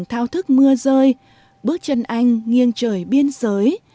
thao thức mưa rơi bước chân anh nghiêng trời biên giới